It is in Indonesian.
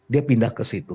dia pindah ke situ